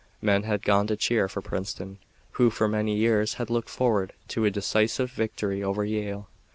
Men had gone to cheer for Princeton who for many years had looked forward to a decisive victory over Yale.